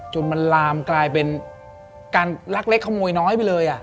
จนมันลามกลายเป็นการลักเล็กขโมยน้อยไปเลย